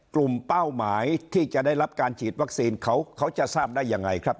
เป้าหมายที่จะได้รับการฉีดวัคซีนเขาจะทราบได้ยังไงครับ